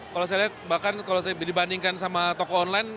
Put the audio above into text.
kalau saya lihat bahkan kalau saya dibandingkan sama toko online